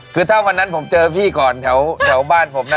คือถ้าวันนั้นผมเจอพี่ก่อนแถวบ้านผมนะ